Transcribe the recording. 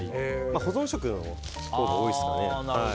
保存食のほうが多いですかね。